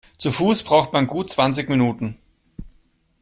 Zu Fuß braucht man gut zwanzig Minuten.